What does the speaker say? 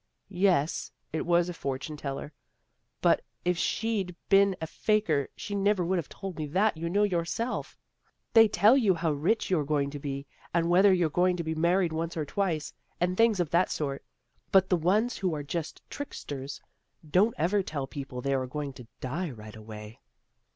" Yes, it was a fortune teller. But if she'd been a faker she never would have told me that, you know yourself. They tell you how rich you're going to be, and whether you're going to be married once or twice, and things of that sort. But the ones who are just tricksters, don't ever tell people they are going to die right away."